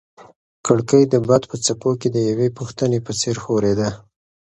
کړکۍ د باد په څپو کې د یوې پوښتنې په څېر ښورېده.